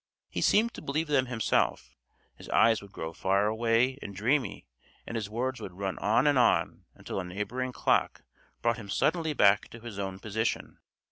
He seemed to believe them himself; his eyes would grow far away and dreamy and his words would run on and on until a neighboring clock brought him suddenly back to his own position.